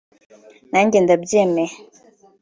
Nanjye ndabyemeye